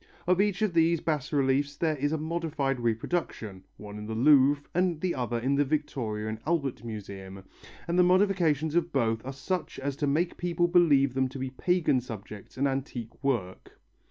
Of each of these bas reliefs there is a modified reproduction, one in the Louvre and the other in the Victoria and Albert Museum, and the modifications of both are such as to make people believe them to be pagan subjects and antique work.